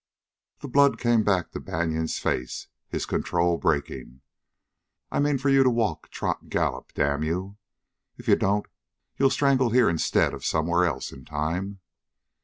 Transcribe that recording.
The blood came back to Banion's face, his control breaking. "I mean for you to walk, trot, gallop, damn you! If you don't you'll strangle here instead of somewhere else in time."